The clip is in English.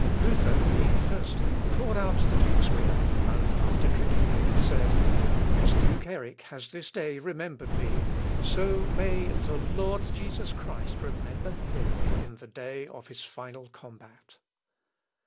Luther, being thirsty, poured out the duke's beer, and after drinking it, said, "As Duke Erick has this day remembered me, so may the Lord Jesus Christ remember him in the day of his final combat."